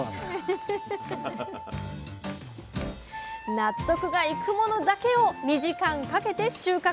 納得がいくものだけを２時間かけて収穫。